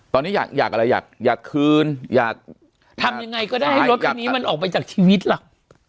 ตอนนี้อยากอยากอะไรอยากอยากคืนอยากทำยังไงก็ได้ให้รถคันนี้มันออกไปจากชีวิตล่ะ